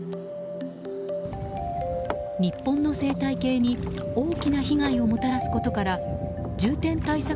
日本の生態系に大きな被害をもたらすことから重点対策